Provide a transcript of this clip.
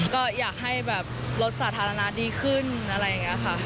ก็อยากให้แบบลดสาธารณะดีขึ้นอะไรอย่างนี้ค่ะ